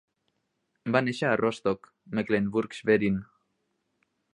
Va néixer a Rostock, Mecklenburg-Schwerin.